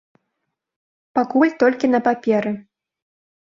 Пакуль толькі на паперы.